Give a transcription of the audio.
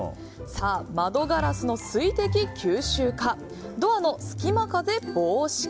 窓ガラスの水滴吸収かドアの隙間風防止か。